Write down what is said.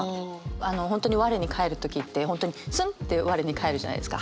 あの本当に我に返る時って本当にスンって我に返るじゃないですか。